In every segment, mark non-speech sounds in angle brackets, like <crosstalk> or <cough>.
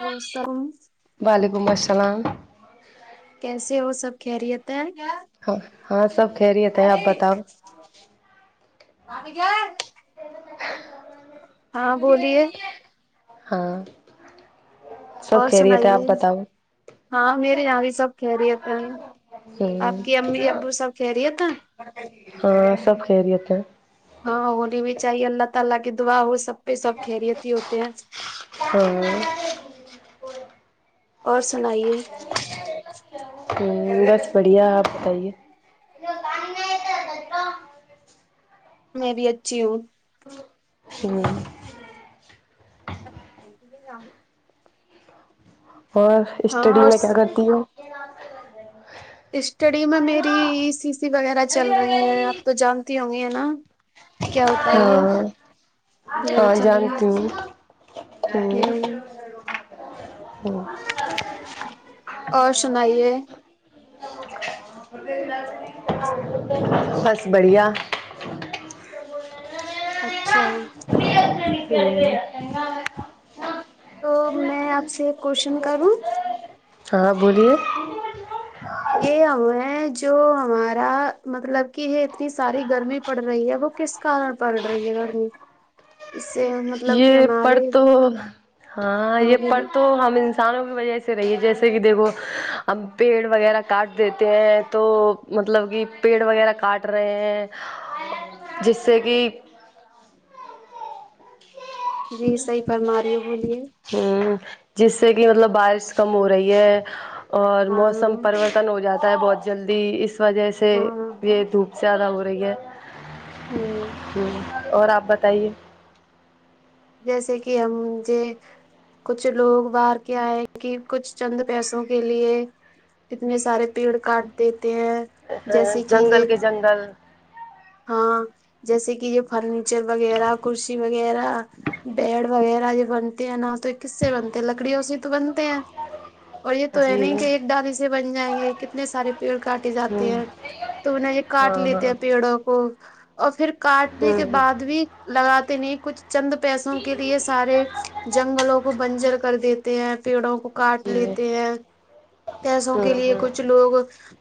او سمس وعلیکم السلام کیسے ہو سب خیریت ہے ہاں سب خیریت ہے آپ بتاؤ بھابھی جان ہاں بولیے ہاں سب اور خیریت ہے آپ سنائیے بتاؤ ہاں میرے یہاں بھی سب خیریت ہیں ہوں آپ کی امی ابو سب خیریت ہے ہاں سب خیریت ہے ہاں ہونی بھی چاہیے اللہ تعالی کی دعا وہ سب پہ سب خیریت ہی ہوتے ہیں ہاں اور سنائیے ہم بس بڑھیا اپ بتائیے جو کم نائی ایہ تہہ نصرا میں بھی اچھی ہوں ہوں <unintelligible> اور ہاں اسٹڈی اور میں کیا کرتی ہو اسٹڈی میں میری ای سی سی وغیرہ چل رہی ہیں اپ تو جانتی ہوں گی ہے نا کیا ہوتا ہے یہ ہاں یہی ہاں چلن جانتی ہوں نہیں معلوم ہاں اور سنائیے بس بڑھیا اچھا <unintelligible> تو میں آپ سے ایک کوشچن کروں ہاں بولیے یہ ہم ہے جو ہمارا مطلب کہ یہ اتنی ساری گرمی پڑ رہی ہے وہ کس کارن پڑ رہی ہے گرمی اس سے مطلب کہ یہ پڑھ ہمارے تو ہاں یہ پڑھ تو ہم انس سانوں کی وجہ سے رہی ہے جیسے کہ دیکھو اب پیڑ وغیرہ کاٹ دیتے ہیں تو مطلب کہ پیڑ وغیرہ کاٹ رہے ہیں جس سے کی جی صحیح فرماں رہی ہو بولیے ہوں جس سے کہ مطلب بارش کم ہو رہی ہے اور ہاں موسم پرورتن ہو جاتا ہے بہت جلدی اس وجہ سے ہاں یہ دھوپ زیادہ ہو رہی ہے ہوں ہوں اور اپ بتائیے جیسے کہ ہم جے کچھ لوگ باہر کے ائے کہ کچھ چند پیسوں کے لیے کتنے سارے پیڑ کاٹ دیتے ہیں جیسے کہ جنگل یہ کے جنگل ہاں جیسے کہ یہ فرنیچر وغیرہ کرسی وغیرہ بیڈ وغیرہ جو بنتے ہیں نا تو کس سے بنتے ہیں لکڑیوں سے ہی تو بنتے ہیں اور یہ تو ہے جی نہیں کہ ایک ڈالی سے بن جائیں گے کتنے سارے پیڑ کاٹے ہوں جاتے ہیں تو نہ یہ کاٹ ہاں لیتے ہاں ہیں پیڑوں ہو اور پھر کاٹنے ہوں کے ہ بعد بھی لگاتے نہیں کچھ چند پیسوں کے لیے سارے جنگلوں کو بنجر کر دیتے ہیں پیڑوں کو کاٹ جی لیتے ہیں ہوں پیسوں کے ہوں لیے کچھ کچھ لوگ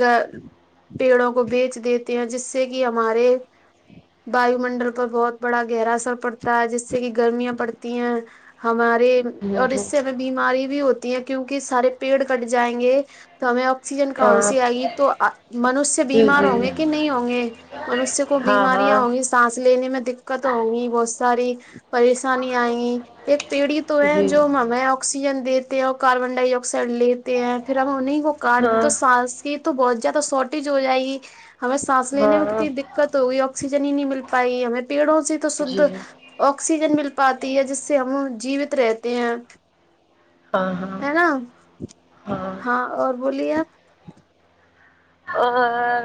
گ پیڑوں کو بیچ دیتے ہیں جس سے کے ہمارے وائیو منڈل پر بہت بڑا گہرا اثر پڑتا ہے جس سے کہ گرمیاں پڑتی ہیں ہمارے اور اس ہوں ہ سے ہمیں بیماری بھی ہوتی ہیں کیوں کے سارے پیڑ کٹ جائیں گے تو ہمیں اکسیجن کہاں ہاں سے ائی تو منشیہ جی بیمار جی ہوں گے کہ نہیں ہوں گے منشیہ کو ہاں بیماریاں ہاں ہوں گی سانس لینے میں دقت ہوں گی بہت ساری پریشانی ائی ایک پیڑ ہی تو ہے جی جو ہمیں اب اکسیجن دیتے ہیں اور کاربن ڈائی اکسائڈ لیتے ہیں پھر ہم انہیں کو کاٹ دیں ہاں تو سانس تو بھوت زادہ شارٹیج ہو جائے گی ہمیں سانس لینے میں ہاں کتنی دقت ہوگئی آکسیجن ہی نہیں مل پائی ہمیں پیڑوں سے تو شد جی اکسیجن مل پاتی ہے جس سے ہم جیوت رہتے ہیں ہاں ہاں ہے نا ہاں اور بولیے آپ اور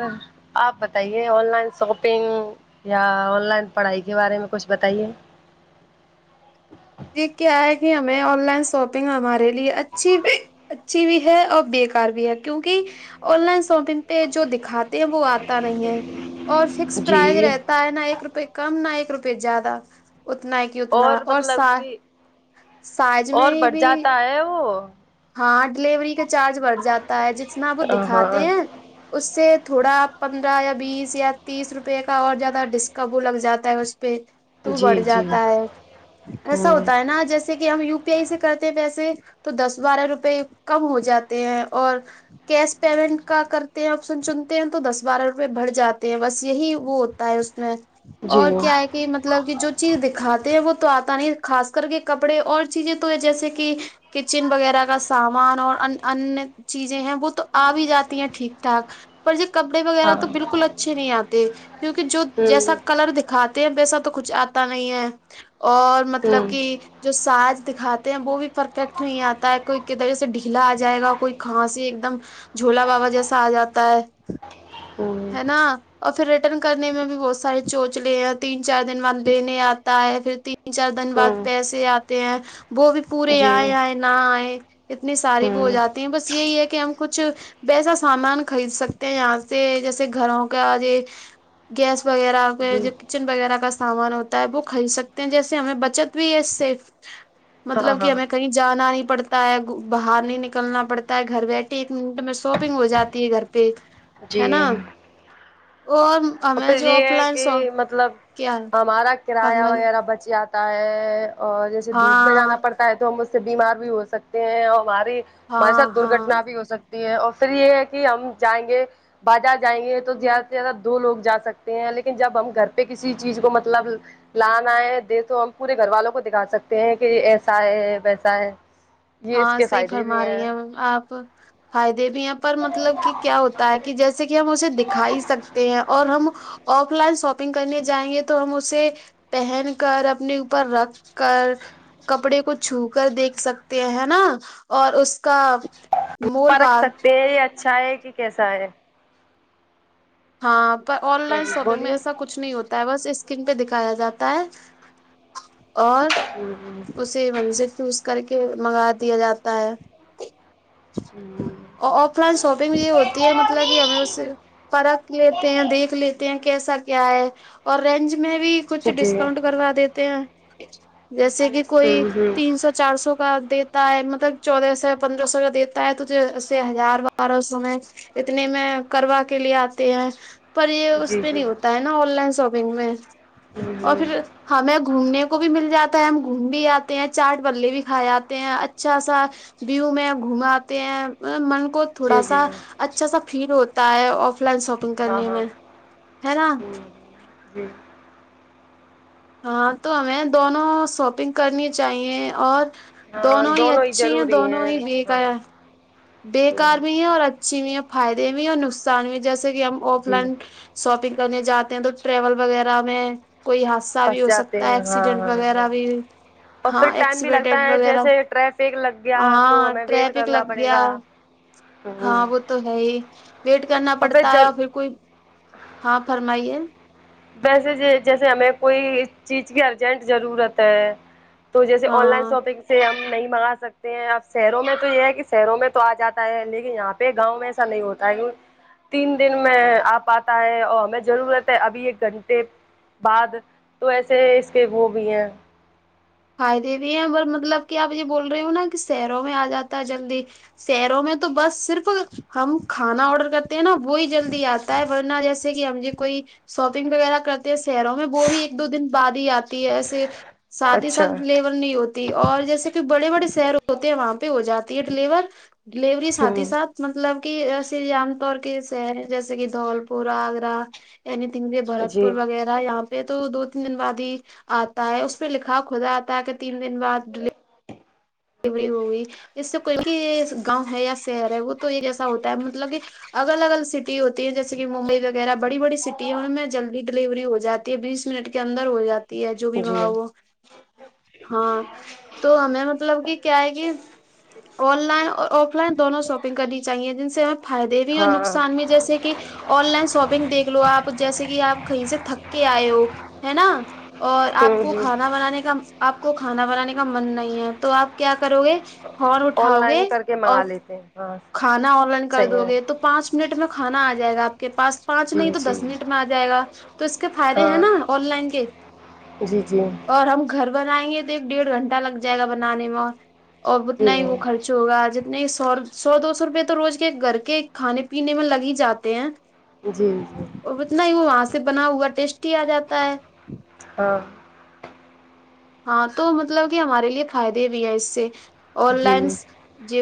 آپ بتائیے آن لائن شاپنگ یا آن لائن پڑھائی کے بارے میں کچھ بتائیے جی کیا ہے کہ ہمیں آن لائن شاپنگ ہمارے لیے اچھی بھی اچھی بھی ہے اور بےکار بھی ہے کیونکہ آن لائن شاپنگ پہ جو دکھاتے ہیں وہ آتا نہیں ہے اور فکس پرائز جی رہتا ہے نہ ایک روپئے کم نہ ایک روپئے زیادہ اتنا ہے کہ اتنا اور مطلب سات کہ اور بڑھ بھی جاتا ہے وہ ہاں ڈیلیوری کا چارج بڑھ جاتا ہے جتنا وہ ہاں دکھاتے ہاں ہیں اس سے تھوڑا پندرہ یا بیس یا تیس روپے کا اور زیادہ ڈسکاب لگ جاتا ہے اس پہ تو جی بڑھ جی جاتا ہے ایسا ہوں ہوتا ہے نا جیسے کہ ہم یو پی آئی سے کرتے ہیں پیسے تو دس بارہ روپے کم ہو جاتے ہیں اور کیش پیمنٹ کا کرتے ہیں آپشن چنتے ہیں تو دس بارہ روپئے بڑھ جاتے ہیں بس یہی وہ ہوتا ہے اس میں جی اور کیا ہے ہاں کہ مطلب کہ جو چیز دکھاتے ہیں وہ تو آتا نہیں خاص کر کے کپڑے اور چیزیں تو ہے جیسے کہ کچن وغیرہ کا سامان اور ان ان چیزیں ہیں وہ تو آ بھی جاتی ہیں ٹھیک ٹھاک پر یہ کپڑے وغیرہ تو بالکل اچھے نہیں آتے کیونکہ جو جیسا ہوں کلر دک کھاتے ہیں پیسا تو کچھ آتا نہیں ہے اور مطلب ہوں کہ جو ساز دکھاتے ہیں وہ بھی پرفیکٹ نہیں آتا کوئی کی در سے ڈھیلا آ جائے گا کوئی کھانسی ایک دم جھولا بابا جیسا آ جاتا ہے ہوں ہے نا اور پھر ریٹرن کرنے میں بھی بہت سارے چوچ لے ہیں تین چار دن بعد لینے آتا ہے پھر تین تین چار دن بعد ہوں پیسے آتے ہیں وہ بھی پورے جی آئے آئے نہ آئے اتنی ساری وہ ہو ہوں جاتی ہیں بس یہی ہے کہ ہم کچھ ویسا سامان خرید سکتے ہیں یہاں سے جیسے گھروں کا یہ گیس وغیرہ جی جو کچن وغیرہ کا سامان ہوتا ہے وہ خرید سکتے ہیں جیسے ہمیں بچت پی ایس اے ہاں مطلب کہ ہاں ہمیںں کئی جانا نہیں پڑتا ہے باہر نہیں نکلنا پڑتا ہے گھر بیٹھے ایک منٹ میں شاپنگ ہو جاتی ہے گھر بیک جی اوم تو پھر یہ ہے کہ مطلب کیا ہمارا کرایہ فرمائی وغیرہ بچ جاتا تا ہے اور جیسے دھوپ میں جانا ہاں پڑتا ہے تو ہم اس سے بیمار بھی ہو سکتے ہیں اور ہمارے ہمارے ہاں ساتھ ہاں درگٹنا بھی ہو سکتی یہ اور پھر یہ ہے کہ ہم جائیں گے بازار جائیں گے تو زیادہ سے زیادہ دو لوگ جا سکتے ہیں لیکن جب ہم گھر پہ کسی چیز کو مطلب لانا ہے دے تو ہم پورے گھر والوں کو دکھا سکتے ہیں کہ ایسا ہے ویسا ہے یہ اس ہاں کے صحیح فائدے بھی فرما رہی ہیں آپ فائدے بھی ہیں پر مطلب کہ کیا ہو تا کہ جیسے کہ ہم اسے دکھا ہی سکتے ہیں اور ہم آف لائن شاپنگ کرنے جائیں گے تو ہم اسے پہن کر اپنے اوپر رکھ کر کپڑے کو چھو کر دیکھ سک تے ہے نا اور اس کا مول پارک بھاگ سکتے ہیں یہ اچھا ہے کہ کیسا ہے ہاں پر آن لائن شاپنگ میں بولیے ایسا کچھ نہیں ہوتا ہے بس اسکرین پہ دکھایا جاتا ہے اور ہوں اس من سے چوز کر کے منگا دیا جاتا ہے ہوں آف لائن شاپنگ یہ ہوتی ہے مطلب کہ ہمیں اس سے پرکھ لیتے ہیں دیکھ لیتے ہیں کیسا کیا ہے اور رینج میں بھی کچھ ہوں ڈسکاؤنٹ کروا دیتے ہیں جیسے کہ کوئی ہوں تین سو چار سو کا دے تا ہے مطلب چودہ سو پندرہ سو کا دیتا ہے توے ہزار بارہ سو میں اتنے میں کروا کے لیے آتے ہیں پر یہ اس جی پہ جی نہیں ہوتا ہے نا آن لائن شاپنگ میں ہوں اور ہوں پھر ہمیں گھومنے کو بھی مل جا تا ہے ہم گھوم بھی آتے ہیں چاٹ بلے بھی کھائے جاتے ہیں اچھا سا ویو میں گھماتے ہیں من کو تھوڑا جی جی سا اچھا سا فیل ہوتا ہے آف لائن شاپنگ ہاں کرنے ہاں میں ہے نا ہوں جی ہاں تو ہمیں دونوں شاپنگ کرنی چاہیے اور دونوں ہی اچھی ہیں دونوں ہی ویکایا بےکار ہوں بھی ہے اور اچھی بھی ہے فائدے بھی اور نقصان بھی جیسے کہ ہم آف جی لائن شاپنگ کرنے جاتے ہیں تو ٹریول وغیرہ میں کوئی ح ا بھی پھنس ہو جاتے سکتا ہے ہیں ہاں ایکسیڈنٹ ہاں ہاں وغیرہ بھی اور ہاں پھر ٹائم بھی لگتا ایکسیڈڈ ہے وغیرہ جیسے ٹریفک لگ گیا تو ہاں ہمیں ویٹ ٹرفک کرنا لگ پڑے گیا گا ہوں ہاں وہ تو ہے ہی ویٹ کرنا پڑتا ہے اور پھر کوئی ہاں فرمائیے ویسے جیسے ہمیں کوئی چیز کی ارجنٹ ضرورت ہے تو جیسے آن لائن ہاں شاپنگ سے ہم نہیں منگا سکتے ہیں اب شہروں میں تو یہ ہے کہ شہروں میں تو آ جاتا ہے لیکن یہاں پہ گاؤں میں ایسا نہیں ہوتا ہے تین دن میں آ پاتا ہے اور ہمیں ضرورت ہے ابھی ایک گھنٹے بعد تو ایسے اس کے وہ بھی ہیں فائدے بھی ہیں اور مطلب کہ آپ یہ بول رہے ہو نا کہ شیروں میں آ جاتا ہے جلدی شہروں میں تو بس صرف ہم کھانا آڈر کرتے ہیں نا وہی جلدی آ تا ورنا جیسے کہ ہم ج کوئی شاپنگ وغیرہ کرتے ہیں شہروں میں وہ بھی ایک دو دن بعد ہی آتی ہے ایسے ساتھ ساتھ اچھا ڈیلیور نہیں ہوتی اور جیسے کہ بڑے بڑے شہر ہوتے ہیں وہاں پہ ہو جاتی ہے ڈیلیور ڈیلیوری سات ہی ہوں ساتھ مطلب کہ شری عام طور کے شہر ہیں جیسے کہ دھول پور آگرہ عنگ برت جی پور وغیرہ یہاں پہ تو دو تین دن بعد ہی آتا ہے اس پہ ل ہاں خود آتا کہ تین دن بعد ڈیلی ڑی ہو گئی اس سے کوئی کہ گاؤں ہے یا شہر ہے وہ تو یہ جیسا ہوتا ہے مطلب کہ ا الگ الگ سٹی ہوتی ہیں جیسے کہ ممبئی وغیرہ بیڑی سٹی ہیں ان میں جلدی ڈلیوری ہو جات ی بیس منٹ کے اندر ہو جات ی ہے جو بھی جی منگاؤ وہ ہاں تو ہمیں مطلب کہ کیا ہے کہ آن لائن اور آف لائن دونوں شاپنگ کرنی چاہیے جن سے ہمیں فائدے بھی اور ہاں نقصان بھی جیسے کہ آن لائن شاپنگ دیکھ لو آپ جیسے کہ آپ کہیں سے تھک کے آئے ہو ہے نا اور آپ ہوں کو ہوں کھانا بنانے کا آپ کو کھانا بنانے کا من نہیں ہے تو آپ کیا کرو گے فون اٹھاؤ گے اور بس <unintelligible> کھانا آن لائن کر دو گے تو پانچ منٹ میں کھانا آ جائے گا آپ کے پاس پانچ نہیں جی تو دس جی منٹ میں آ جائے گا تو اس کے فائدے ہیں ہاں نا آن لائن کے جی جی اور ہم گھر بنائیں گے تو ایک ڈیڑھ گھنٹہ لگ جائے گا بنانے میں اور جی اتنا ہی وہ خر چ ہوگا جتنے سو سو دو سو روپے تو روز کے گھر کے کھانے پینے میں لگ ہی جاتے ہیں جی جی اور اتنا ہی وہ وہاں سے بنا ہوا ٹیسٹی آ جاتا ہے ہاں ہاں تو مطلب کہ ہمارے لیے فائدے بھی ہیں اس سے آن جی لائن ج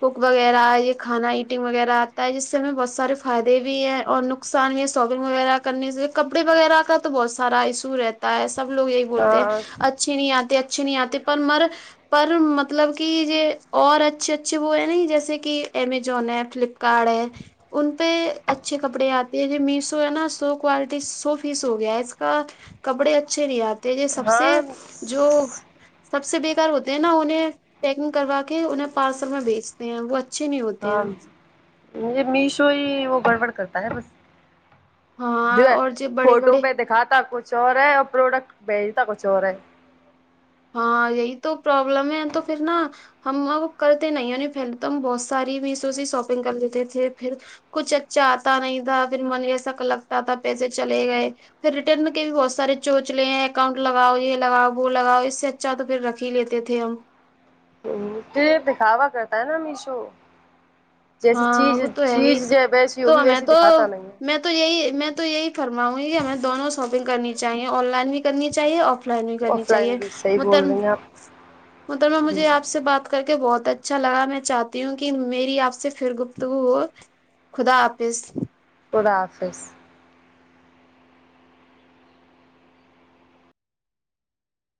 کوک وغیرہ یہ کھانا ایٹنگ وغیرہ آتا ہے جس سے ہمیں بہت سارے فائدے بھی ہیں اور نقصان ساپنگ وغیرہ کرنے سے کپڑے وغیرہ کا تو بہت سارا ایشو رہتا ہے سب لوگ یہ ہاں اچھے نہیں آتے اچھے نہیں آتے پر مر پر مطلب کہ یہ اور اچھے اچھے وہ ہیں نا جیسے کہ امیزون ہے فلپ کارڈ ہے ان پہ اچھے کپڑے آتی ہے جو میشو ہے نا سو کوالٹی سو فیس ہو گیا ہے اس کا کپڑے اچھے نہیں آتے یہ سب سے ہاں جو سب سے بےکار ہوتے ہیں نا انہیں پیکنگ کروا کے انہیں پارسل میں بھیجتے ہیں وہ اچھے نہیں ہوتے ہیں ہاں م میشو ہی وہ گڑبڑ کرتا ہے بس ہاں اور جو بڑے فوٹو بڑے پہ دکھاتا کچھ اور ہے اور پروڈکٹ بھیجتا کچھ اور ہے ہاں یہی تو پرابلم ہے تو پھر نا ہم ا کرتے نہیں یں پہلے تو ہم بہت ساری بھی سے شاپنگ کر لیتے تھے پھر کچھ اچھا آتا نہیں تھا پھر من یہ ایسا لگتا تھا پیسے چلے گئے پھر ریٹرن میں کے بھی بہت سارے چونچلے ہیں اکاؤنٹ لگاؤ یہ لگاؤ وہ لگاؤ اس اچھا تو پھر رکھ ہی لیتے تھے ہم کہ دکھاوا کرتا ہے نا میشو جیسی ہاں چیز وہ تو ہے ہی چیز ویسی تو ہوگی میں ویسی تو دکھاتا نہیں ہے میں تو یہی میں تو یہی فرماؤں گی کہ ہمیں دونوں شاپنگ کرنی چاہیے آن لائن بھی کرنی چاہیے آف لائن بھی کرنی آف لائن چاہے بھی صحیح متر بول رہی ہیں آپ محترمہ جی مجھے آپ سے بات کر کے بہت اچھا لگا میں چاہتی ہوں کہ میری آپ سے پھر گفتگو ہو خدا حافظ خدا حافظ